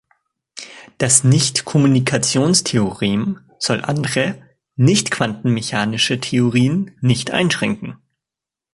Das Nicht-Kommunikationstheorem soll andere, nicht quantenmechanische Theorien nicht einschränken.